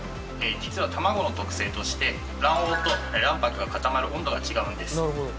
実は卵の特性として卵黄と卵白が固まる温度が違うんです。